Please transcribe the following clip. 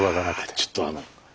いやちょっとあの。